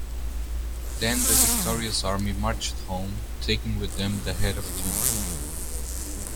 Then the victorious army marched home taking with them the head of Teumman.